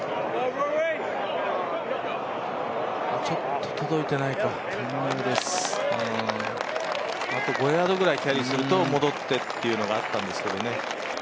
ちょっと届いてないか、あと５ヤードくらいキャリーすると戻ってというのがあったんですけどね。